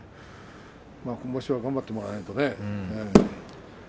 今場所は頑張ってもらわないとね。